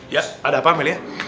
ya ada apa amelia